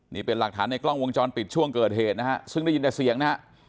นี่เป็นหลักฐานในกล้องวงจรปิดช่วงเกิดเหตุนะฮะซึ่งได้ยินแต่เสียงนะฮะ